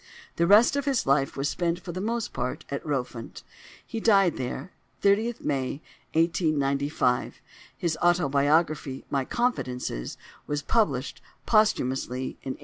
The rest of his life was spent for the most part at Rowfant: he died there, 30th May 1895. His autobiography, "My Confidences," was published posthumously in 1896.